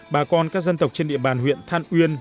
bà con các dân tộc trên địa bàn huyện than uyên